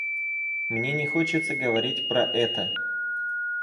Мне не хочется говорить про это.